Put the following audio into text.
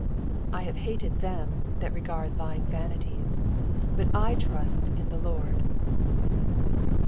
6 I have hated them that regard lying vanities ; but I trust in the Lord.